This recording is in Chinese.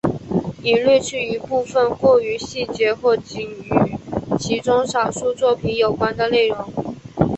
已略去一部分过于细节或仅与其中少数作品有关的内容。